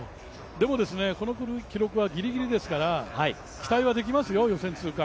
でもこの記録はギリギリですから期待はできますよ、予選通過。